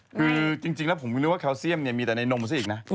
คือจริงแล้วผมไม่รู้ว่าแคลเซียมเนี่ยมีแต่ในนมซะอีกนะ